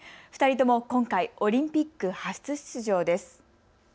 ２人とも今回、オリンピック初出場です。